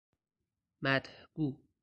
مدح گو